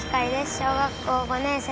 小学校５年生です。